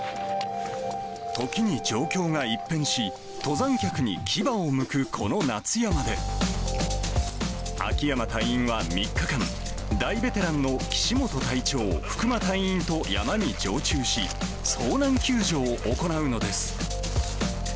時に状況が一変し、登山客に牙をむくこの夏山で、秋山隊員は３日間、大ベテランの岸本隊長、福間隊員と山に常駐し、遭難救助を行うのです。